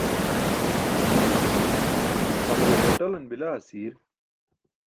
amulo hoṭalan bila asiir?